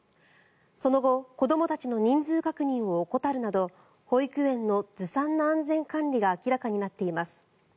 その後、子どもたちの人数確認を怠るなど保育園のずさんな安全管理が明らかになっています。